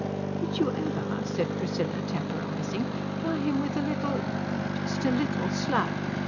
"Did you ever," said Priscilla, temporizing, "try him with a little just a little slap?